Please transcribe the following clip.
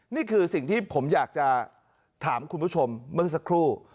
นี่คือสิ่งที่ผมอยากจะถามคุณผู้ชมเมื่อสักครู่